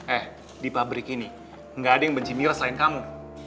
eh di pabrik ini nggak ada yang benci mira selain kamu